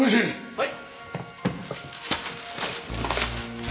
はい。